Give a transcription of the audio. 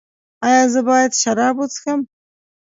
ایا زه باید شراب وڅښم؟